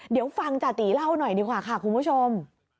เดี๋ยวฟังจาติเล่าหน่อยดีกว่าค่ะคุณผู้ชม